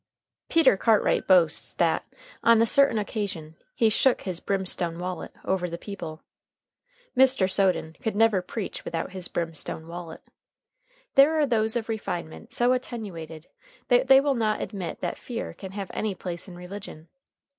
Peter Cartwright boasts that, on a certain occasion, he "shook his brimstone wallet" over the people. Mr. Soden could never preach without his brimstone wallet. There are those of refinement so attenuated that they will not admit that fear can have any place in religion.